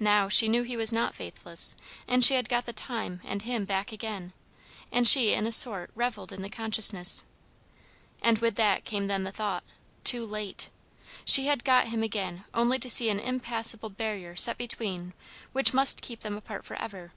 Now she knew he was not faithless, and she had got the time and him back again, and she in a sort revelled in the consciousness. And with that came then the thought, "Too late!" She had got him again only to see an impassable barrier set between which must keep them apart for ever.